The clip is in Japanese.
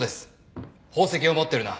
「宝石を持ってるな？